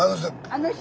あの人？